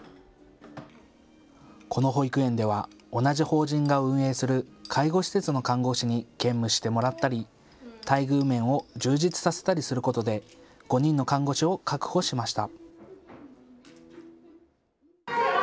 この保育園では同じ法人が運営する介護施設の看護師に兼務してもらったり、待遇面を充実させたりすることで５人の看護師を確保しました。